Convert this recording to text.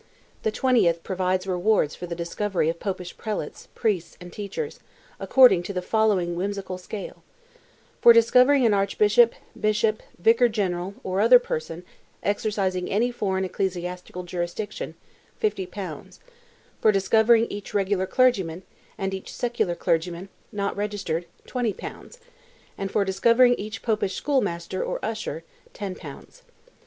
The twentieth provides rewards for the discovery of Popish prelates, priests, and teachers, according to the following whimsical scale:—For discovering an archbishop, bishop, vicar general, or other person, exercising any foreign ecclesiastical jurisdiction, 50 pounds; for discovering each regular clergyman, and each secular clergyman, not registered, 20 pounds; and for discovering each Popish schoolmaster or usher, 10 pounds.